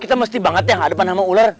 kita mesti banget ya ngadepan sama ular